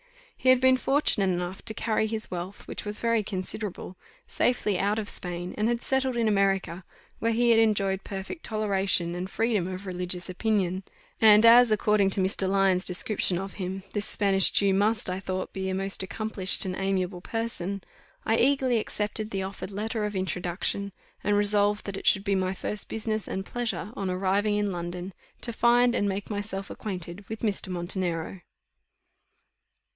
He had been fortunate enough to carry his wealth, which was very considerable, safely out of Spain, and had settled in America, where he had enjoyed perfect toleration and freedom of religious opinion; and as, according to Mr. Lyons' description of him, this Spanish Jew must, I thought, be a most accomplished and amiable person, I eagerly accepted the offered letter of introduction, and resolved that it should be my first business and pleasure, on arriving in London, to find and make myself acquainted with Mr. Montenero.